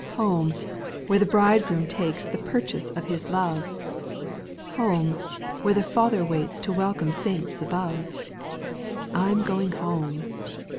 4. Home I where the Bridegroom takes The purchase of His love : Home ! where the Father waits To welcome saints above. I 'm going home.